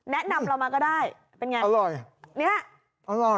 แนะนำเรามาก็ได้เป็นอย่างไร